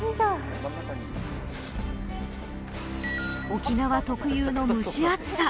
沖縄特有の蒸し暑さ。